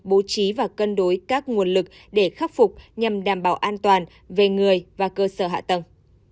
bố trí và cân đối các nguồn lực để khắc phục nhằm đảm bảo an toàn về người và cơ sở hạ tầng